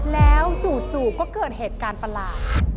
แล้วจู่ก็เกิดเหตุการณ์ประหลาด